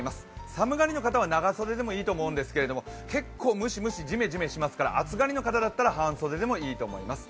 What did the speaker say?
寒がりの方は長袖でもいいと思うんですけど、結構、ムシムシ、ジメジメしますから暑がりの方だったら半袖でもいいと思います。